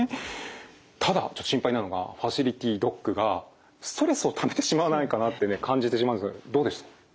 ただちょっと心配なのがファシリティドッグがストレスをためてしまわないかなってね感じてしまうんですけどどうですか？